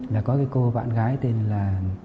là có cô bạn gái tên là